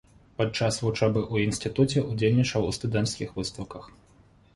Падчас вучобы ў інстытуце ўдзельнічаў у студэнцкіх выстаўках.